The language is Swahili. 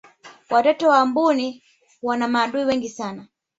watoto wa mbuni wana maadui wengi sana